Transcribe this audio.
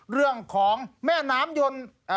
เรื่องของแม่น้ำยนต์